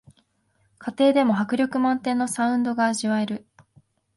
家庭でも迫力満点のサウンドが味わえる